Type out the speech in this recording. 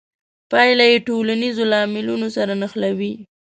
پایله یې ټولنیزو لاملونو سره نښلوي.